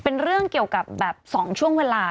เป็นเรื่องเกี่ยวกับแบบ๒ช่วงเวลา